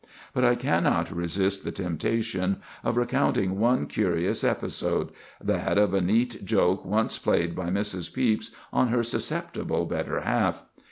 But I cannot resist the temptation of recounting one curious episode—that of a neat joke once played by Mrs. Pepys on her susceptible better half.